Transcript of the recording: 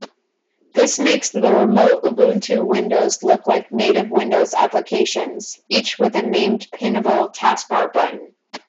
This makes the remote Ubuntu windows look like native Windows applications, each with a named pinnable taskbar button.